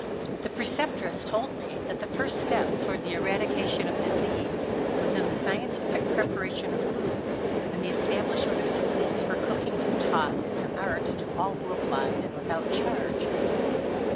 The Preceptress told me that the first step toward the eradication of disease was in the scientific preparation of food, and the establishment of schools where cooking was taught as an art to all who applied, and without charge.